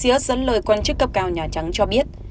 phía dẫn lời quan chức cấp cao nhà trắng cho biết